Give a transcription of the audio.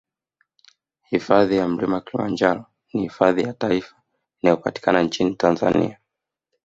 Hifadhi ya Mlima Kilimanjaro ni hifadhi ya taifa inayopatikana nchini Tanzania